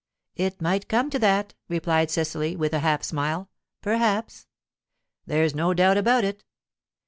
"It might come to that," replied Cecily, with half a smile. "Perhaps." "There's no doubt about it."